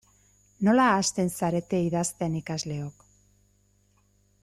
Nola hasten zarete idazten ikasleok?